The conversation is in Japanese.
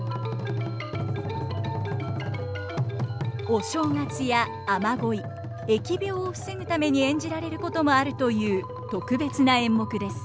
お正月や雨乞い疫病を防ぐために演じられることもあるという特別な演目です。